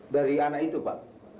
dari anak itu pak